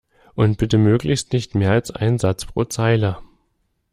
Und bitte möglichst nicht mehr als ein Satz pro Zeile!